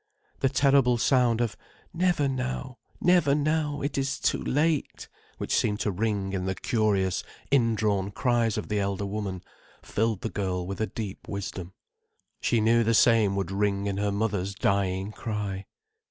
The terrible sound of "Never now, never now—it is too late," which seemed to ring in the curious, indrawn cries of the elder woman, filled the girl with a deep wisdom. She knew the same would ring in her mother's dying cry.